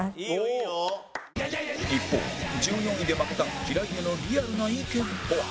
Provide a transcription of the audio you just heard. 一方１４位で負けた平井へのリアルな意見とは？